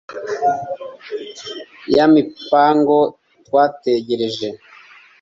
ya mipango twategereje